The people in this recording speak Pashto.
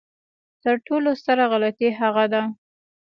تر ټولو ستره غلطي هغه ده.